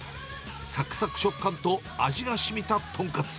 さくさく食感と味がしみた豚カツ。